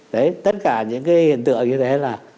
đấy tất cả những cái hiện tượng như thế là